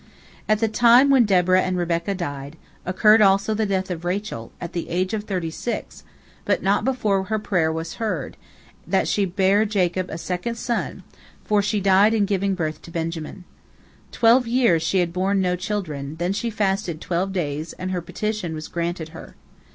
At the time when Deborah and Rebekah died, occurred also the death of Rachel, at the age of thirty six, but not before her prayer was heard, that she bear Jacob a second son, for she died in giving birth to Benjamin. Twelve years she had borne no child, then she fasted twelve days, and her petition was granted her.